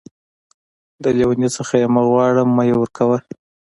د لېوني څه يې مه غواړه ،مې ورکوه.